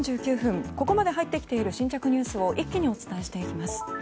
ここまで入ってきている新着ニュースを一気にお伝えしていきます。